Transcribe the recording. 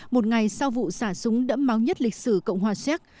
một ngày sau vụ xả súng đẫm máu nhất lịch sử cộng hòa xéc